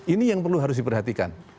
ini yang perlu diperhatikan